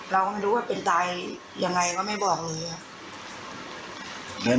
เราก็ไม่รู้ว่าเป็นตายยังไงก็ไม่บอกเลย